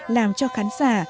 làm cho khán giả